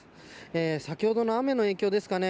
先ほどの雨の影響ですかね